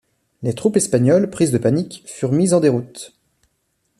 Les troupes espagnoles, prises de panique, furent mises en déroute.